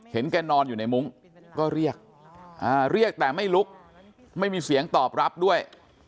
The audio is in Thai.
แกนอนอยู่ในมุ้งก็เรียกเรียกแต่ไม่ลุกไม่มีเสียงตอบรับด้วย